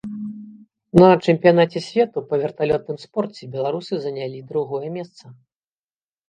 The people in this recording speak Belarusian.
На чэмпіянаце свету па верталётным спорце беларусы занялі другое месца.